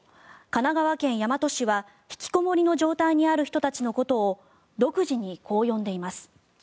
神奈川県大和市は引きこもりの状態にある人たちのことを独自にこう呼んでいます。